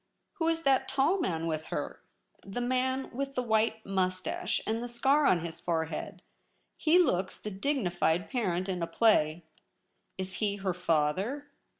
Who is that tall man with her — the man with the white moustache and the scar on his forehead ? He looks 7.V THE LOBBY. 25 the dignified parent in a play. Is he her father